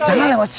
jangan lewat sini